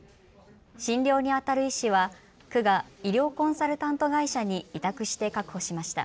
診療にあたる医師は区が医療コンサルタント会社に委託して確保しました。